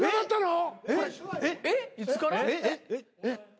えっ！？